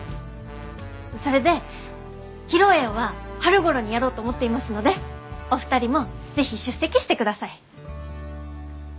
それで披露宴は春ごろにやろうと思っていますのでお二人も是非出席してください！